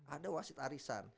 ada wasit arisan